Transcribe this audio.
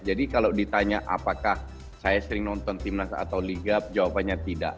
jadi kalau ditanya apakah saya sering nonton tim nas atau liga jawabannya tidak